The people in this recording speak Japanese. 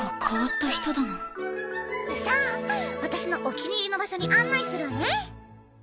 さあ私のお気に入りの場所に案内するわね。